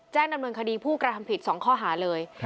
แจ้งดำเนินคดีผู้กำลังทำผิด๒ข้อหาเลย